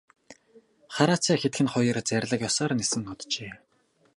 Хараацай хэдгэнэ хоёр зарлиг ёсоор нисэн оджээ.